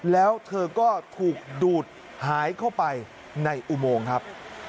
แล้วเธอก็ถูกดูดหายเข้าไปในอุโมงครับ